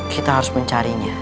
kita harus mencarinya